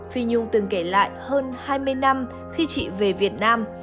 phi nhung từng kể lại hơn hai mươi năm khi chị về việt nam